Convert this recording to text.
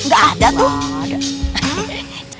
gak ada tuh